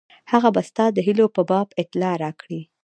هغه به ستا د هیلو په باب اطلاع راکړي.